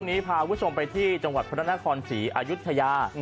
วันนี้พาวุธชมไปที่จังหวัดพระนครศรีอายุทยา